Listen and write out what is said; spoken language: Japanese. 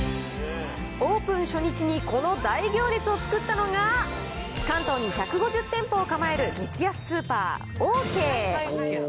オープン初日にこの大行列を作ったのが、関東に１５０店舗を構える激安スーパー、オーケー。